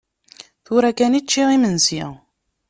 Tura kan i ččiɣ imensi.